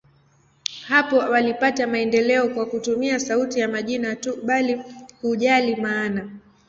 Hapo walipata maendeleo kwa kutumia sauti ya majina tu, bila kujali maana.